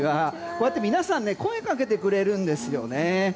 こうやって皆さん声をかけてくださるんですね。